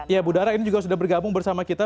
ya budara ini juga sudah bergabung bersama kita